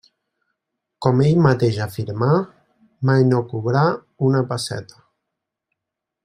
Com ell mateix afirmà, mai no cobrà una pesseta.